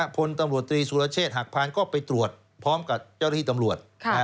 พลตำรวจตรีสุรเชษฐหักพานก็ไปตรวจพร้อมกับเจ้าหน้าที่ตำรวจ